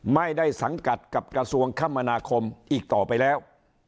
ไม่ได้สังกัดกับกระทรวงคมนาคมอีกต่อไปแล้ว